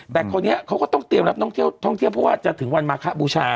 แต่คราวนี้เขาก็ต้องเตรียมรับท่องเที่ยวเพราะว่าจะถึงวันมาคะบูชา